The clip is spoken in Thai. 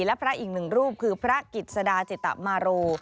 และพระอีกหนึ่งรูปคือพระกิจสดาจิตมาโร